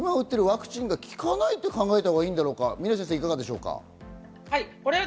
今打ってるワクチンが効かないって考えたほうがいいんだろうか、峰先生いかがでしょうか。